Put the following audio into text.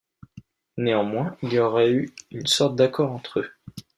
Néanmoins, il y aurait eu une sorte d'accord entre eux.